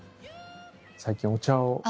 最近お茶を。